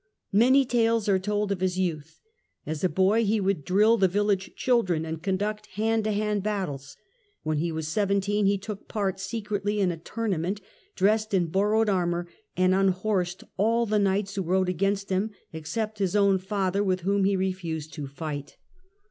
Many tales are told of his youth, As a boy he would drill the village children and con duct hand to hand battles ; when he was seventeen he took part secretly in a tournament dressed in borrowed armour, and unhorsed all the knights who rode against him, except his own father with whom he refused to fight.